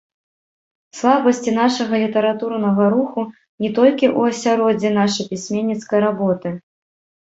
Слабасці нашага літаратурнага руху не толькі ў асяроддзі нашай пісьменніцкай работы.